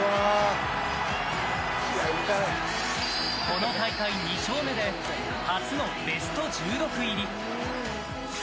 この大会２勝目で初のベスト１６入り。